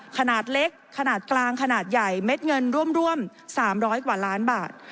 ขนาดเล็กขนาดกลางขนาดใหญ่เม็ดเงินร่วม๓๐๐กว่าล้านบาท